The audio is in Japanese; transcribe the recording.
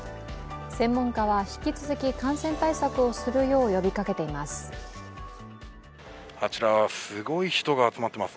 専門家は引き続き感染対策をするよう呼びかけています。